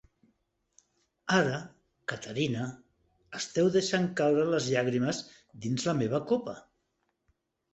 Ara, Caterina, esteu deixant caure les llàgrimes dins la meva copa.